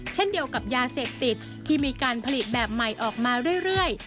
เช่นเดียวกับยาเสพติดที่มีการผลิตแบบใหม่ออกมาเรื่อย